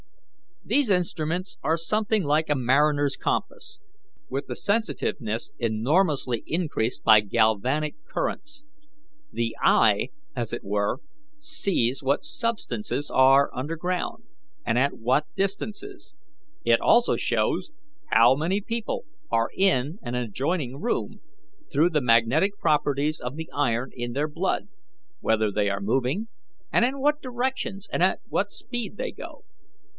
These instruments are something like the mariner's compass, with the sensitiveness enormously increased by galvanic currents. The 'eye,' as it were, sees what substances are underground, and at what distances. It also shows how many people are in an adjoining room through the magnetic properties of the iron in their blood whether they are moving, and in what directions and at what speed they go.